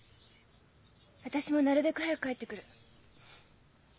私もなるべく早く帰ってくる。